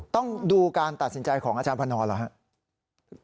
ต้องดูการตัดสินใจของอาจารย์พนเหรอครับ